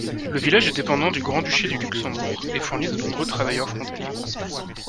Le village est dépendant du Grand-Duché du Luxembourg et fourni de nombreux travailleurs frontaliers.